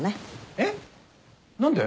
えっ何で？